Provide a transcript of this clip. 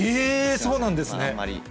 そうなんですね。